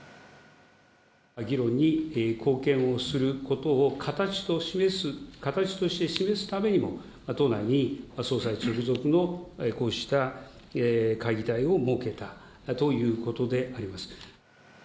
議論に貢献をすることを形として示すためにも、党内に総裁直属のこうした会議体を設けたということであります。